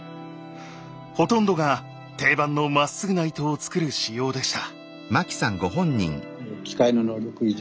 ほとんどが定番のまっすぐな糸を作る仕様でした。